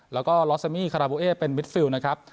แล้วก็ลอสซามี่คาราบูเอเป็นมิดฟิลนะครับ